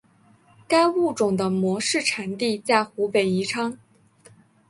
该物种的模式产地在湖北宜昌。